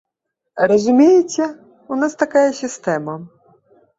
Разумееце, у нас такая сістэма.